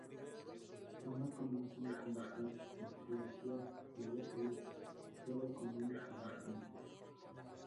Ambos comienzan a conversar y el policía la deja ir solo con una advertencia.